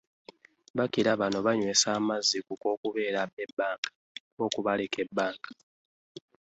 Bakira bano b'anywesa amazzi okw'okubaleka ebbanga